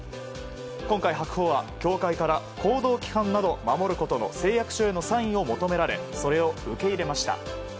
今回白鵬は協会から行動規範などを守ることの誓約書のサインを求められそれを受け入れました。